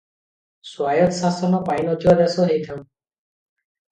ସ୍ୱାୟତ୍ତଶାସନ ପାଇ ନଥିବା ଦେଶ ହୋଇଥାଉ ।